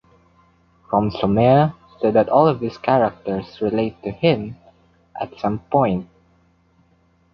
Ramsoomair said that all of his characters "relate" to him "at some point.